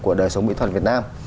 của đời sống mỹ thuật việt nam